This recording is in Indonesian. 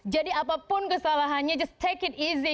apapun kesalahannya just take it easy